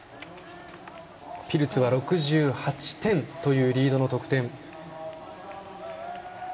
ピルツは６８点というリードの得点。